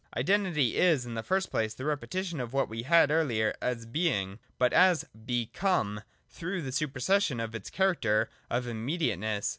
Identity is, in the first place, the repetition of what we had earlier as Being, but as become, through supersession of its character of immediateness.